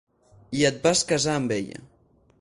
I et vas casar amb ella.